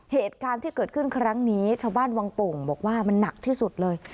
เหตุการณ์ที่เกิดขึ้นครั้งนี้ชาวบ้านวังโป่งบอกว่ามันหนักที่สุดเลย